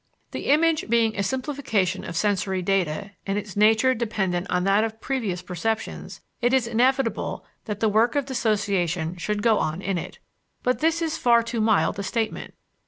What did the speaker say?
The image being a simplification of sensory data, and its nature dependent on that of previous perceptions, it is inevitable that the work of dissociation should go on in it. But this is far too mild a statement.